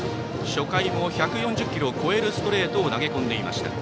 初回も１４０キロを超えるストレートを投げ込んでいました。